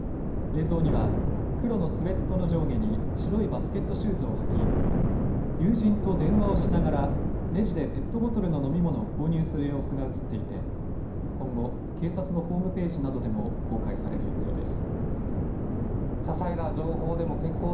映像には黒のスウェットの上下に白いバスケットシューズを履き友人と電話をしながらレジでペットボトルの飲み物を購入する様子が映っていて今後、警察のホームページなどでも公開される予定です。